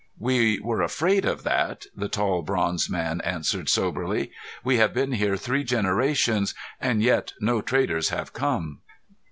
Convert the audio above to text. "We were afraid of that," the tall bronze man answered soberly. "We have been here three generations and yet no traders have come."